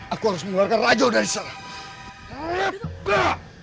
aku harus mengeluarkan rajo dari sana